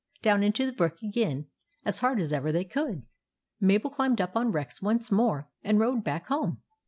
down into the brook again as hard as ever they could. Mabel climbed up on Rex once more and rode back home.